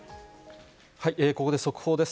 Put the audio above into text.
ここで速報です。